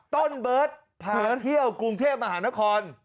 ต้นเบิร์ตเผลอเที่ยวกรุงเทพมหานคร